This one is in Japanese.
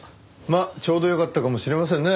まあちょうどよかったかもしれませんね。